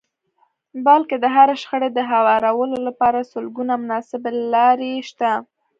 بلکې د هرې شخړې د هوارولو لپاره سلګونه مناسبې لارې شته.